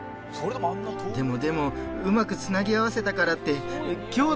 でもでもうまく繋ぎ合わせたからって。